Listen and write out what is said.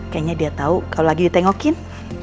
kayaknya dia tahu kalau lagi ditengokin